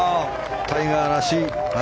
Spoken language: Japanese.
タイガーらしい！